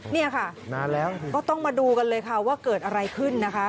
นี่ค่ะนานแล้วก็ต้องมาดูกันเลยค่ะว่าเกิดอะไรขึ้นนะคะ